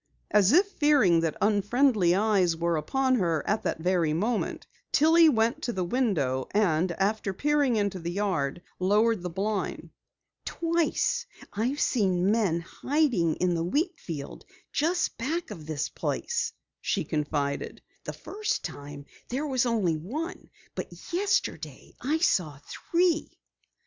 As if fearing that unfriendly eyes were upon her at that very moment, Tillie went to the window and after peering into the yard, lowered the blind. "Twice I've seen men hiding in the wheat field just back of this place," she confided. "The first time there was only one, but yesterday I saw three."